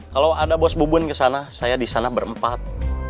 kalau ada bos bobon kesana saya disana berempat